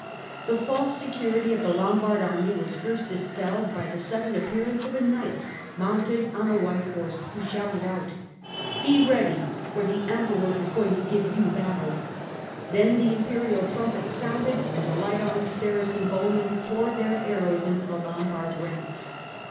The false security of the Lombard army was first dispelled by the sudden appear ance of a knight mounted on a white horse, who shouted out :" Be ready, for the Emperor is going to give you battle." Then the Imperial trumpets sounded and the light armed Saracen bowmen poured their arrows into the Lombard ranks.